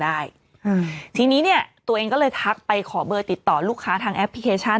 อืมทีนี้เนี่ยตัวเองก็เลยทักไปขอเบอร์ติดต่อลูกค้าทางแอปพลิเคชัน